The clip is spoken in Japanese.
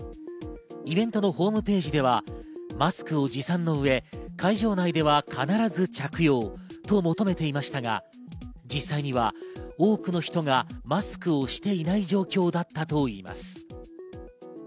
イベントのホームページでは、マスクを持参の上、会場内では必ず着用と求めていましたが、実際には多くの人がマスクをしていない状況だったといいます。